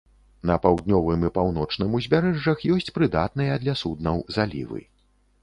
На паўднёвым і паўночным узбярэжжах ёсць прыдатныя для суднаў залівы.